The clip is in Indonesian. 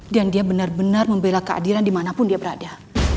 dan dia benar benar membela keadilan dimanapun dia berada